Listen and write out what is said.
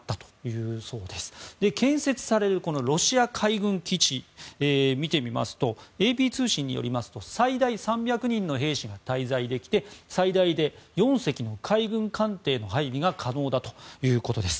建設されるロシア海軍基地ですが見てみますとＡＰ通信によりますと最大３００人の兵士が滞在できて最大で４隻の海軍艦艇の配備が可能だということです。